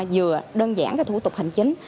vừa đơn giản thủ tục hành chính